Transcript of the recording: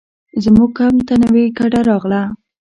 زموږ کمپ ته نوې کډه راغله.